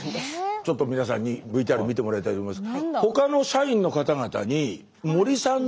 ちょっと皆さんにＶＴＲ見てもらいたいと思います。